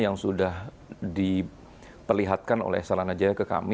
yang sudah diperlihatkan oleh salana jaya ke kami